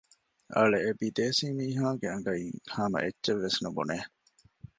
އަޅެ އެބިދޭސީ މިހާގެ އަނގައިން ހަމައެއްޗެއްވެސް ނުބުނެ